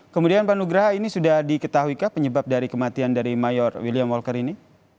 kemudian pak nugraha ini sudah diketahui kah penyebab dari kematian dari mayor william walker ini